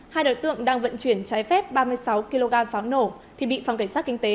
hai đối tượng đang vận chuyển trái phép ba mươi sáu kg pháo nổ thì bị phòng cảnh sát kinh tế